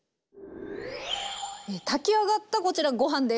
炊き上がったこちらご飯です。